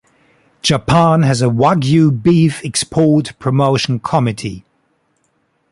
Japan has a Wagyu Beef Export Promotion Committee.